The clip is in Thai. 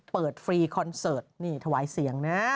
ฟรีคอนเสิร์ตนี่ถวายเสียงนะ